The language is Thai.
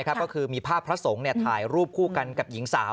ก็คือมีภาพพระสงฆ์ถ่ายรูปคู่กันกับหญิงสาว